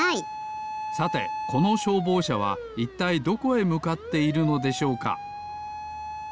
さてこのしょうぼうしゃはいったいどこへむかっているのでしょうか？